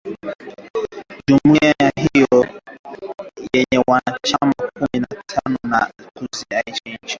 jumuia hiyo yenye wanachama kumi na tano inadhamira ya dhati kuzisaidia nchi hizo